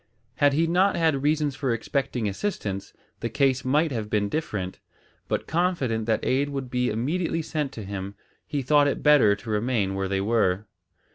Had he not had reasons for expecting assistance, the case might have been different, but confident that aid would be immediately sent to him, he thought it better to remain where they were.